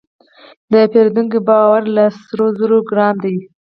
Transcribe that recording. د پیرودونکي باور له سرو زرو ګران دی.